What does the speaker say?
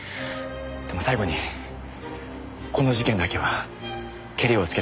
でも最後にこの事件だけはケリをつけたいんです。